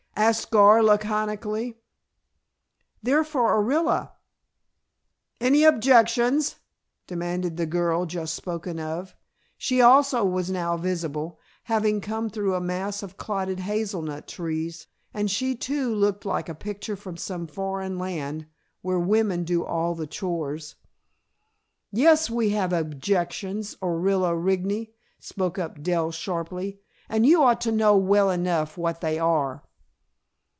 asked Gar, laconically. "They're for Orilla " "Any objections?" demanded the girl just spoken of. She also was now visible, having come through a mass of clotted hazel nut trees, and she too looked like a picture from some foreign land, where women do all the chores. "Yes, we have objections, Orilla Rigney," spoke up Dell, sharply, "and you ought to know well enough what they are."